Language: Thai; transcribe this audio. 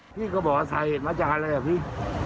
พี่ก็บอกว่าสาเหตุมาจากอะไรอ่ะพี่